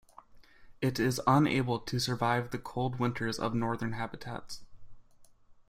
It is unable to survive the cold winters of northern habitats.